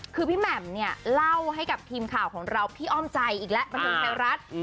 คือพี่แหม่มเนี่ยเล่าให้กับทีมข่าวของเราพี่อ้อมใจอีกแล้วบันเทิงไทยรัฐ